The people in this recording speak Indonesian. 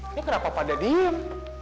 ini kenapa pada diem